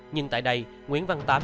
nhưng tại đây nguyễn văn tám